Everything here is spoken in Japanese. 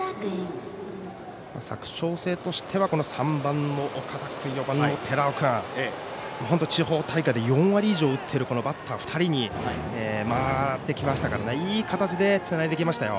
佐久長聖としてはこの３番の岡田君と４番の寺尾君。地方大会で４割以上打っているバッター２人に回ってきましたからいい形でつないでいきましたよ。